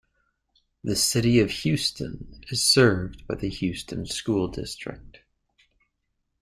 The city of Houston is served by the Houston School District.